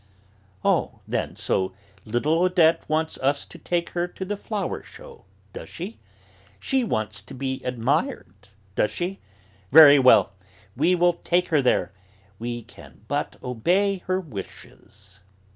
"Oh, then, so little Odette wants us to take her to the flower show, does she? she wants to be admired, does she? very well, we will take her there, we can but obey her wishes."